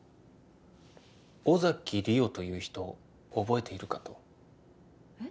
尾崎莉桜という人を覚えているかとえっ？